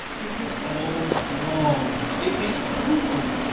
It is all wrong; it is cruel.